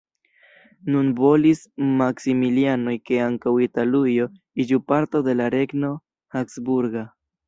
Nun volis Maksimiliano ke ankaŭ Italujo iĝu parto de la regno habsburga.